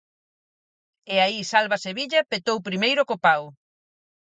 E aí Salva Sevilla petou primeiro co pau.